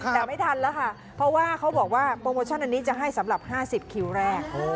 แต่ไม่ทันแล้วค่ะเพราะว่าเขาบอกว่าโปรโมชั่นอันนี้จะให้สำหรับ๕๐คิวแรก